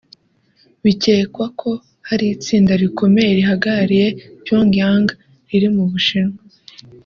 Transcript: bikekwa ko hari itsinda rikomeye rihagarariye Pyongyang riri mu Bushinwa